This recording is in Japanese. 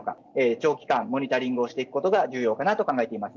長期間、モニタリングをしていくことが重要かなと考えています。